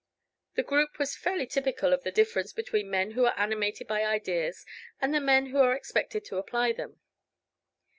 The group was fairly typical of the difference between the men who are animated by ideas and the men who are expected to apply them.